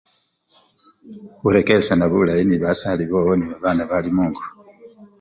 Khuregeshana bulayi ne basalis boo ne babana bali mungo